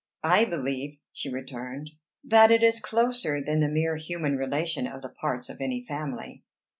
"I believe," she returned, "that it is closer than the mere human relation of the parts of any family.